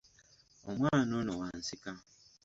Omwana ono wa nsika.